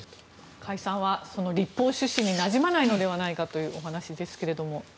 解散は立法趣旨になじまないのではというお話ですが。